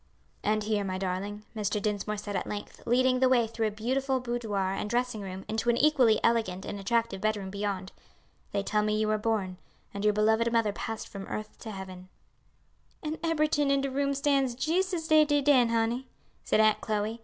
"And here, my darling," Mr. Dinsmore said at length, leading the way through a beautiful boudoir and dressing room into an equally elegant and attractive bedroom beyond, "they tell me you were born, and your beloved mother passed from earth to heaven." "An' eberyting in de room stands jees' as dey did den, honey," said Aunt Chloe.